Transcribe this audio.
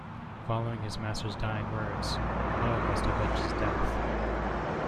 Following his master's dying words, Lo must avenge his death.